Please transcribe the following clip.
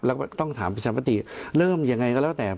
แล้วก็ต้องถามประชามติเริ่มยังไงก็แล้วแต่